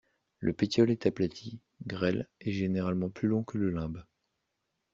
Le pétiole est aplati, grêle et généralement plus long que le limbe.